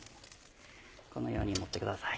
このように盛ってください。